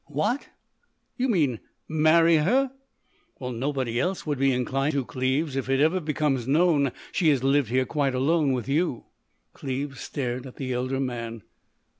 "What? You mean—marry her?" "Well, nobody else would be inclined to, Cleves, if it ever becomes known she has lived here quite alone with you." Cleves stared at the elder man.